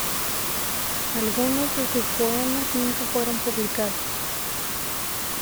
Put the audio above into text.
Algunos de sus poemas nunca fueron publicados.